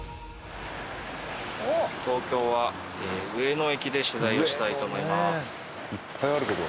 東京は上野駅で取材をしたいと思います。